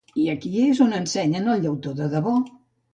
I aquí és on ensenyen el llautó de debò.